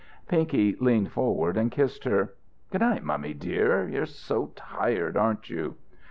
Pinky leaned forward and kissed her. "Good night, mummy dear. You're so tired, aren't you?"